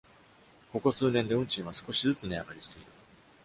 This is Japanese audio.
ここ数年で運賃は少しずつ値上がりしている。